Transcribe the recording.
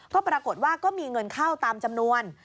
ก็ปรากฏว่าก็มีเงินเข้าตามจำนวน